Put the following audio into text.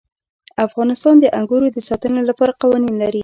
افغانستان د انګورو د ساتنې لپاره قوانین لري.